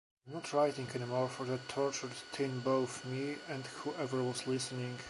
I'm not writing anymore for the tortured teen-both me and whoever was listening.